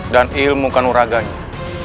dan ilmu kanuraganya